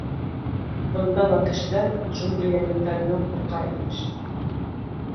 — Бында ла кешеләр джунгли йәнлектәренән ҡурҡа, имеш.